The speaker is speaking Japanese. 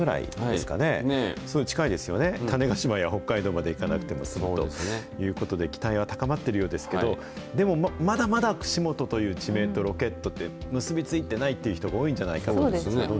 すごい近いですよね、種子島や北海道まで行かなくても、済むということで、期待は高まっているようですけど、でもまだまだ串本という地名とロケットって結び付いてないという人が多いんじゃないそうですよね。